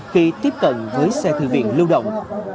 khi tiếp cận với xe thư viện lưu động